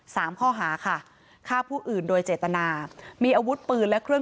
สามข้อหาค่ะฆ่าผู้อื่นโดยเจตนามีอาวุธปืน